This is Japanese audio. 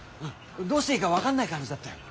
どうしていいか分かんない感じだったよ。